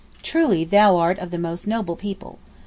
'Truly thou art of the most noble people.